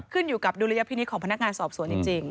ขึ้นอยู่กับดุลยพินิษฐ์ของพนักงานสอบสวนจริง